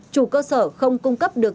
chủ cơ sở không cung cấp được